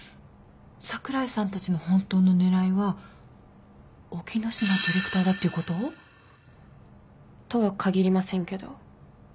櫻井さんたちの本当の狙いは沖野島ディレクターだっていうこと？とは限りませんけど。